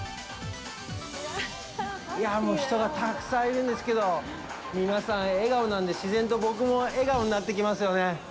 いやぁ、もう人がたくさんいるんですけど、皆さん、笑顔なので、自然と僕も笑顔になってきますよね。